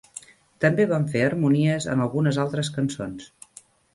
També van fer harmonies en algunes altres cançons.